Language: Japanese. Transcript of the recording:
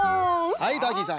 はいターキーさん。